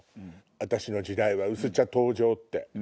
私の時代は薄茶登場って。